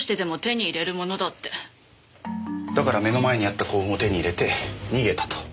だから目の前にあった幸運を手に入れて逃げたと。